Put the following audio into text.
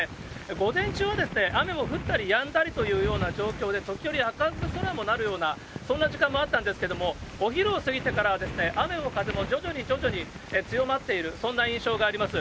午前中は雨も降ったりやんだりというような状況で、時折明るく空もなるような、そんな時間もあったんですけれども、お昼を過ぎてからは、雨も風も徐々に徐々に強まっている、そんな印象があります。